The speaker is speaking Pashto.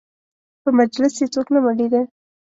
په مجلس یې څوک نه مړېده.